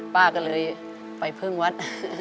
ป้าก็เลยไปพึ่งวัด